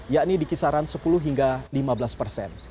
yakni di kisaran sepuluh hingga lima belas persen